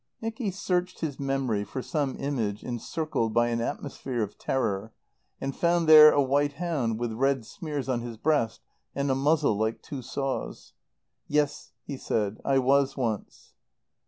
Nicky searched his memory for some image encircled by an atmosphere of terror, and found there a white hound with red smears on his breast and a muzzle like two saws. "Yes," he said, "I was once."